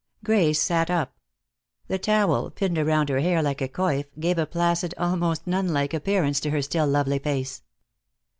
Grace sat up. The towel, pinned around her hair like a coif, gave a placid, almost nun like appearance to her still lovely face.